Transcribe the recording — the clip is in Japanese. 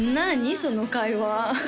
その会話